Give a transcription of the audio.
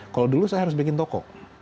kalau dulu saya harus bikin toko